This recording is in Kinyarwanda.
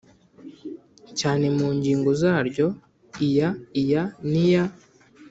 cyane mu ngingo zaryo iya iya n iya